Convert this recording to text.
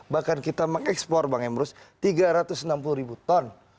bahkan kita mengekspor bang emrus tiga ratus enam puluh ribu ton